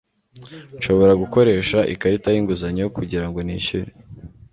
Nshobora gukoresha ikarita y'inguzanyo kugirango nishyure?